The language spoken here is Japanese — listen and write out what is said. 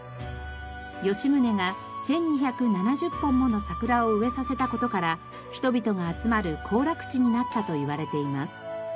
吉宗が１２７０本もの桜を植えさせた事から人々が集まる行楽地になったといわれています。